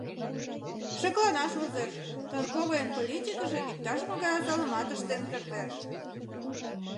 Шекланаш возеш: торговойын политикыже иктаж-могай осалымат ыштен кертеш.